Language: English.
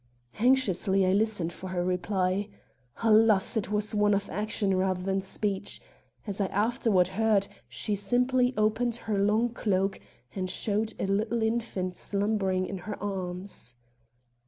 Anxiously I listened for her reply. Alas! it was one of action rather than speech. As I afterward heard, she simply opened her long cloak and showed a little infant slumbering in her arms.